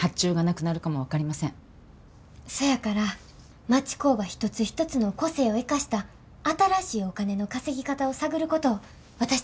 そやから町工場一つ一つの個性を生かした新しいお金の稼ぎ方を探ることを私たちの仕事にしたいんです。